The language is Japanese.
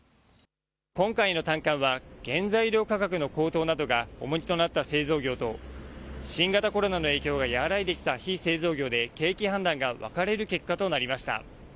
今回の短観は原材料価格の高騰などが重荷となった製造業と新型コロナの影響が和らいできた非製造業で景気判断が分かれる結果となりました。